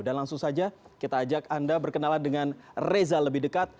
dan langsung saja kita ajak anda berkenalan dengan reza lebih dekat